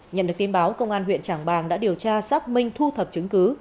nhận được tin báo công an huyện trảng bàng đã điều tra xác minh thu thập chứng cứ